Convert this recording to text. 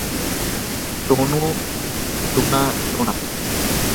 Dona, Dona, Dona.